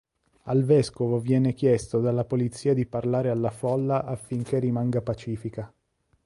Al vescovo viene chiesto dalla polizia di parlare alla folla affinché rimanga pacifica.